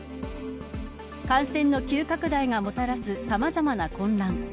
感染の急拡大がもたらすさまざまな混乱。